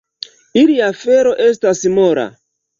Ilia felo estas mola.